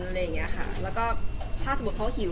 แล้วก็ถ้าสมมติเขาหิว